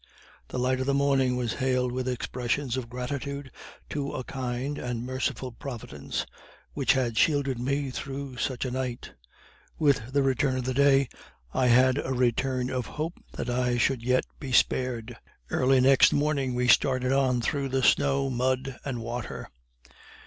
The light of the morning was hailed with expressions of gratitude to a kind and merciful Providence which had shielded me through such a night. With the return of the day I had a return of hope that I should yet be spared. Early next morning we started on through the snow, mud and water.